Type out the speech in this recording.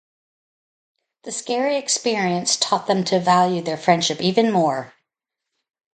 The scary experience taught them to value their friendship even more.